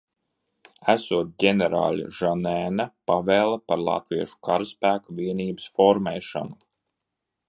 Esot ģenerāļa Žanēna pavēle par latviešu karaspēka vienības formēšanu.